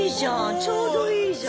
ちょうどいいじゃん！